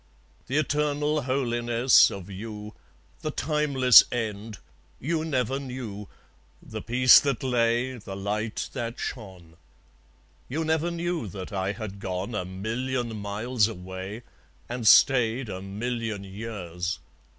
The eternal holiness of you, The timeless end, you never knew, The peace that lay, the light that shone. You never knew that I had gone A million miles away, and stayed A million years.